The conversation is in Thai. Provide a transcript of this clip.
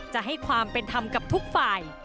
จะให้ความเป็นธรรมกับทุกฝ่าย